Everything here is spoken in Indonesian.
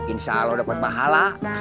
insya allah dapat mahala